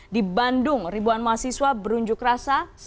di bandung ribuan mahasiswa berunjuk rasa